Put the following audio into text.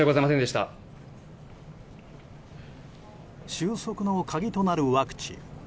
収束の鍵となるワクチン。